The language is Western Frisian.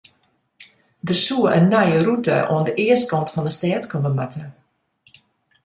Der soe in nije rûte oan de eastkant fan de stêd komme moatte.